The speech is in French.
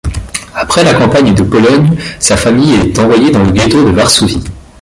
Après la campagne de Pologne, sa famille est envoyée dans le ghetto de Varsovie.